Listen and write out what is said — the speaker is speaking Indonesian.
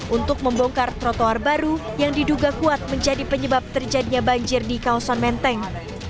untuk membongkar trotoar baru yang diduga kuat menjadi penyebab terjadinya banjir di kawasan menteng